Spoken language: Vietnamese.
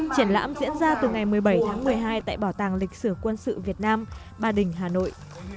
triển lãm diễn ra từ ngày một mươi bảy tháng một mươi hai tại bảo tàng lịch sử quân sự việt nam ba đình hà nội